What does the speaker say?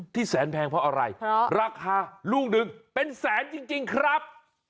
แสนแพงเพราะอะไรราคาลูกหนึ่งเป็นแสนจริงครับ